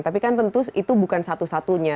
tapi kan tentu itu bukan satu satunya